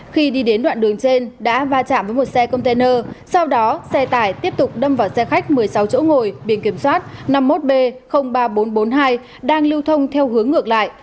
khi đi đến đoạn đường trên đã va chạm với một xe container sau đó xe tải tiếp tục đâm vào xe khách một mươi sáu chỗ ngồi biển kiểm soát năm mươi một b ba nghìn bốn trăm bốn mươi hai đang lưu thông theo hướng ngược lại